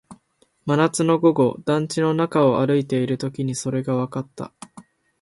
真夏の午後、団地の中を歩いているときにそれがわかった